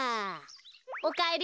おかえり。